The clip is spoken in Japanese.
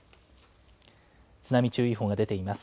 津波注意報が出ています。